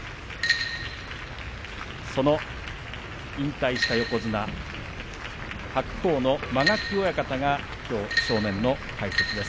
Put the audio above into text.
その引退した横綱白鵬の間垣親方がきょう正面の解説です。